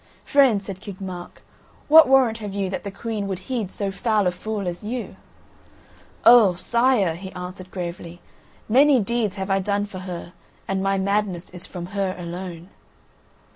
"Friend," said King Mark, "what warrant have you that the Queen would heed so foul a fool as you?" "O! Sire," he answered gravely, "many deeds have I done for her, and my madness is from her alone."